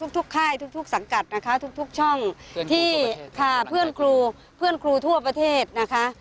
ทุกค่ายทุกสังกัดนะคะทุกช่องที่พาเพื่อนครูเพื่อนครูทั่วประเทศนะคะ